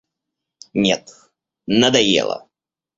Нет, надоело.